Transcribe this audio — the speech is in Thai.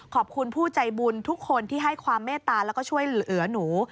ขอบคุณผู้ใจบุญทุกคนที่ให้ความเมตตาแล้วก็ช่วยเหลือหนู